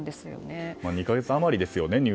入隊から２か月余りですよね。